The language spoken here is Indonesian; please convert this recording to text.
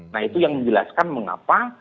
nah itu yang menjelaskan mengapa